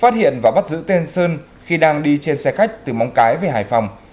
điện và bắt giữ tên sơn khi đang đi trên xe khách từ móng cái về hải phòng